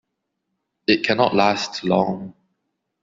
It cannot last long.